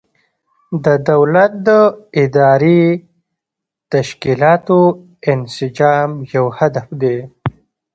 د دولت د اداري تشکیلاتو انسجام یو هدف دی.